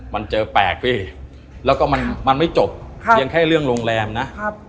มันเจอแปลกพี่แล้วก็มันไม่จบเพียงแค่เรื่องโรงแรมนะครับ